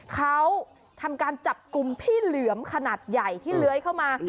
เขาทำการจับกลุ่มพี่เหลือมขนาดใหญ่ที่เลื้อยเข้ามา